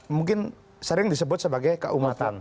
mungkin sering disebut sebagai keumatan